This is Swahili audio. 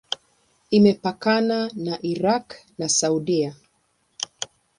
Imepakana na Irak na Saudia.